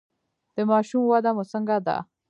د ماشوم وده مو څنګه ده؟